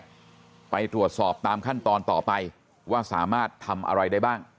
ที่เกี่ยวข้องเนี่ยไปตรวจสอบตามขั้นตอนต่อไปว่าสามารถทำอะไรได้บ้าง